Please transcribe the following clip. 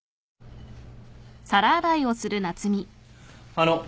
あの。